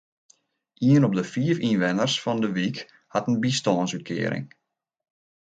Ien op de fiif ynwenners fan de wyk hat in bystânsútkearing.